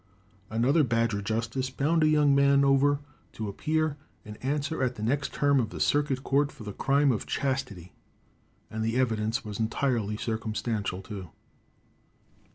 Another Badger justice bound a young man over to appear and answer at the next term of the Circuit Court for the crime of chastity, and the evidence was entirely circumstantial, too.